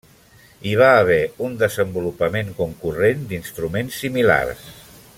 Hi va haver un desenvolupament concurrent d'instruments similars.